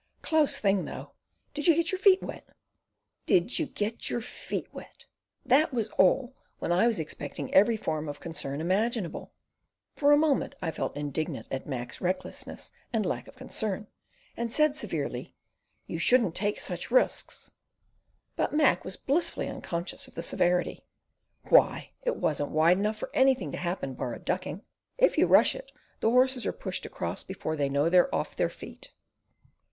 "Close thing, though! Did you get your feet wet?" "Did you get your feet wet!" That was all, when I was expecting every form of concern imaginable. For a moment I felt indignant at Mac's recklessness and lack of concern, and said severely, "You shouldn't take such risks." But Mac was blissfully unconscious of the severity. "Risks!" he said. "Why, it wasn't wide enough for anything to happen, bar a ducking. If you rush it, the horses are pushed across before they know they're off their feet."